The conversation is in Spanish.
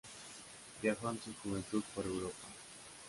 Viajó en su juventud por Europa.